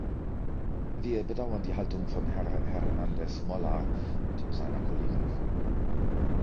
Wir bedauern die Haltung von Herr Hernandez Mollar und seiner Kollegen.